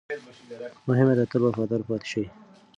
مهمه ده، تل وفادار پاتې شئ.